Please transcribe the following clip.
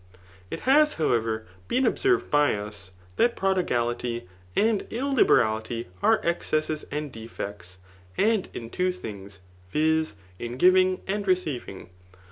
It has, however, been observed by us, that prod^aik]r and fllibarality are excesses and defects ; aod in two thii^ viz, m gmng and receiving.